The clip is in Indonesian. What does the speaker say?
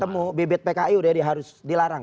tentu bibit pki sudah harus dilarang